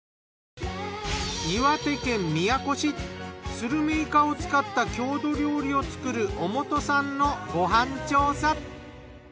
スルメイカを使った郷土料理を作る小本さんのご飯調査。